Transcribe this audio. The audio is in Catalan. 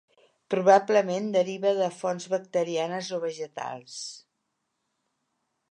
Probablement deriva de fonts bacterianes o vegetals.